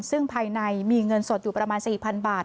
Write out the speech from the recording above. ซึ่งภายในมีเงินสดอยู่ประมาณ๔๐๐๐บาท